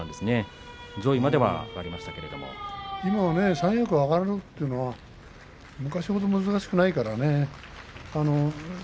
上位まではありました三役に上がるのは昔ほど難しくないからね。